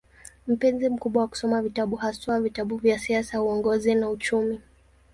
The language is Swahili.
Mpenzi mkubwa wa kusoma vitabu, haswa vitabu vya siasa, uongozi na uchumi.